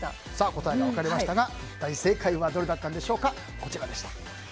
答えが分かれましたが正解はどれだったんでしょうか。